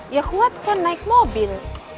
ya kuat kan naik mobil